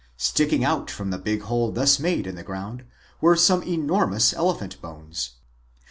Sticking out from the big hole thus made in the ground were some enor mous elephant bones.